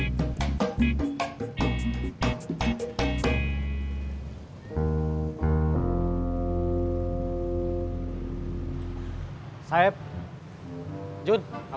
apapun yang terjadi